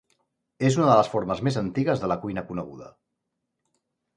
És una de les formes més antigues de la cuina coneguda.